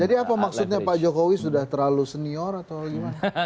jadi apa maksudnya pak jokowi sudah terlalu senior atau gimana